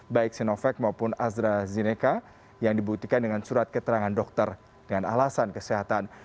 baik sinovac maupun astrazeneca yang dibuktikan dengan surat keterangan dokter dengan alasan kesehatan